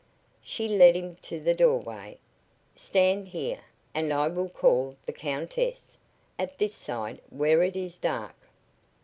She led him to the doorway. "Stand here, and I will call the Countess. At this side, where it is dark."